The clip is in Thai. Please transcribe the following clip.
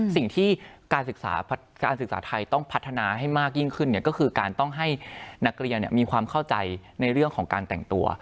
สิ่งที่การศึกษาไทยต้องพัฒนาให้มากยิ่งขึ้นก็คือการต้องให้นักเรียนมีความเข้าใจในเรื่องของการแต่งตัว